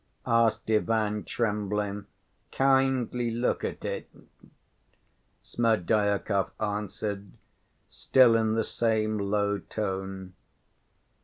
asked Ivan, trembling. "Kindly look at it," Smerdyakov answered, still in the same low tone.